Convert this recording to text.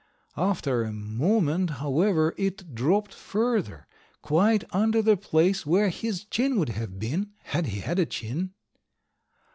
After a moment, however, it dropped further, quite under the place where his chin would have been, had he had a chin.